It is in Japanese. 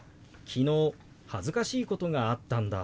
昨日恥ずかしいことがあったんだ。